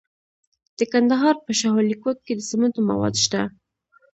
د کندهار په شاه ولیکوټ کې د سمنټو مواد شته.